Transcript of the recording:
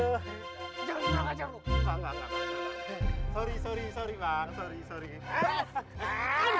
hai jangan ngajar ngajar sorry sorry sorry bang sorry sorry